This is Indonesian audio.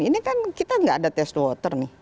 ini kan kita nggak ada test water nih